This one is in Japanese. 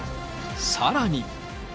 さらに。